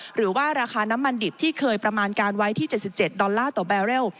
หรือว่าราคาน้ำมันดิบที่เคยประมาณการไว้ที่๗๗ดอลลาร์ต่อแบร์เรล